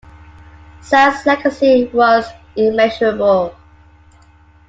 Seldes' legacy was immeasurable.